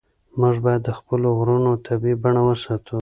موږ باید د خپلو غرونو طبیعي بڼه وساتو.